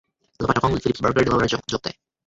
লপাটকং ফিলিপসবার্গের ডেলাওয়্যারে যোগ দেয়।